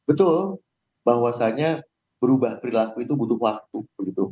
betul bahwasannya berubah perilaku itu butuh waktu